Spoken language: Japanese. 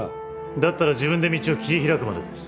だったら自分で道を切り開くまでです。